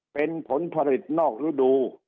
เป็นผลผลิตนอกฤดู